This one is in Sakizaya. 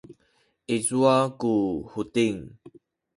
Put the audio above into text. i cuwa ku Huting?